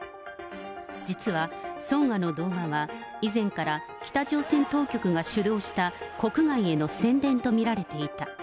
実はソンアの動画は以前から北朝鮮当局が主導した国外への宣伝と見られていた。